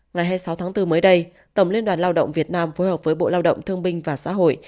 ngày hai mươi sáu tháng bốn mới đây tổng liên đoàn lao động việt nam phối hợp với bộ lao động thương binh và xã hội